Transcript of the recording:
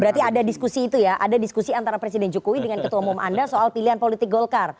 berarti ada diskusi itu ya ada diskusi antara presiden jokowi dengan ketua umum anda soal pilihan politik golkar